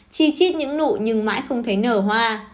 chi chít những nụ nhưng mãi không thấy nở hoa